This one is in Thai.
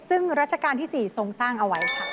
ซึ่งรัชกาลที่๔ทรงสร้างเอาไว้ค่ะ